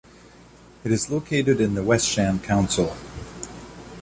It is located in the West sham Council.